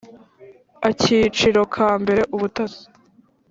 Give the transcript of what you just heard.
Akiciro ka mbere Ubutasi